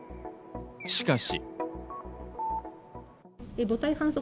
しかし。